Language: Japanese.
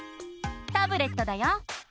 タブレットだよ！